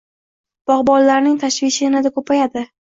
Bogʻbonlarning tashvishi yanada koʻpayadi.